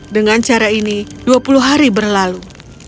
dengan cara ini dua puluh hari berlalu